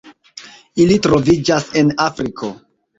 Ili troviĝas en Afriko.